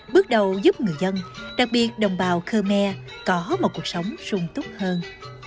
bước đầu giúp người dân đặc biệt đồng bào khmer có một cuộc sống sung túc hơn